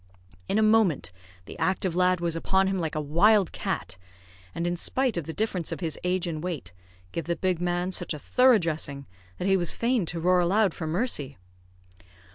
In a moment the active lad was upon him like a wild cat, and in spite of the difference of his age and weight, gave the big man such a thorough dressing that he was fain to roar aloud for mercy.